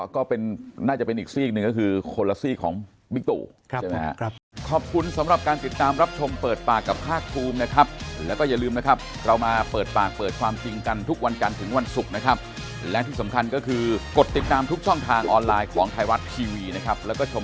ก็น่าจะเป็นอีกซีกหนึ่งก็คือคนละซีกของบิ๊กตู่ใช่ไหมครับ